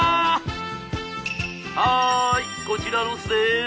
「はーいこちらロスです。